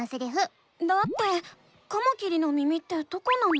だってカマキリの耳ってどこなの？